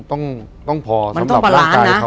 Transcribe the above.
มันต้องประลานนะ